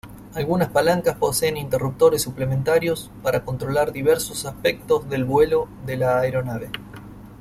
Algunas palancas poseen interruptores suplementarios para controlar diversos aspectos del vuelo de la aeronave.